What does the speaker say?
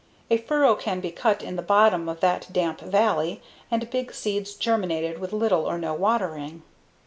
A furrow can be cut in the bottom of that damp "valley" and big seeds germinated with little or no watering.